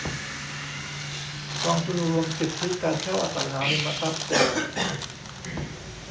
กองทุนรวมสิทธิการเช่าอสังหาริมทรัพย์โกลด์